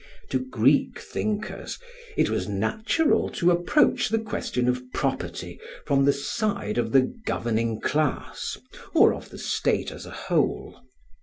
To Greek thinkers it was natural to approach the question of property from the side of the governing class or of the state as a whole.